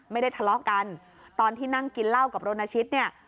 ไม่ได้ทะเลาะกันตอนที่นั่งกินเหล้ากับรณชิตเนี่ย